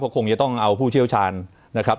คงจะต้องเอาผู้เชี่ยวชาญนะครับ